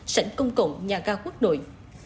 sảnh công cộng nhà ga quốc đội